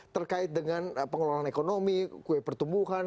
terkait dengan pengelolaan ekonomi kue pertumbuhan